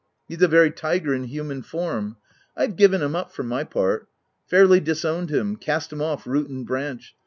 He's a very tiger in human form. I've given him up, for my part — fairly disowned him — cast him off, root and branch.